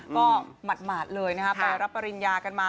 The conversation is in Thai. ก็หมาดเลยนะครับไปรับปริญญากันมา